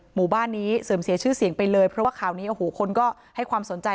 หมู่บ้านนี้เสื่อมเสียชื่อเสียงไปเลยเพราะว่าข่าวนี้โอ้โหคนก็ให้ความสนใจ